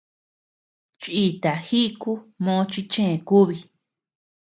Chìta jíku mo chi chë kúbi.